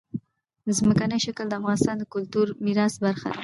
ځمکنی شکل د افغانستان د کلتوري میراث برخه ده.